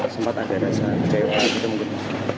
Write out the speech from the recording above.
sempat ada rasa kecewa gitu mungkin